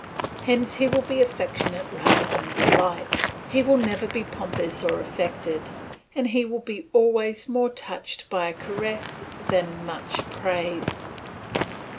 Hence he will be affectionate rather than polite, he will never be pompous or affected, and he will be always more touched by a caress than by much praise.